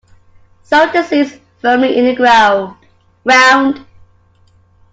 Sow the seeds firmly in the ground.